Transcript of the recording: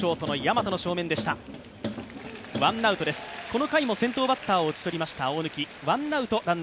この回も先頭バッターを打ち取りました大貫。